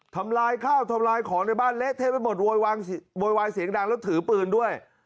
ทำลายข้าวทำลายของในบ้านเละเทะไปหมดโวยวายโวยวายเสียงดังแล้วถือปืนด้วย